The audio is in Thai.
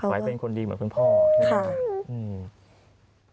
ไหว้เป็นคนดีเหมือนเพื่อนพ่อ